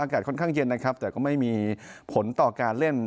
อากาศค่อนข้างเย็นนะครับแต่ก็ไม่มีผลต่อการเล่น